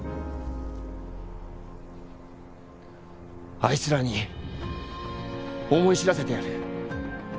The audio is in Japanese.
あいつらに思い知らせてやる。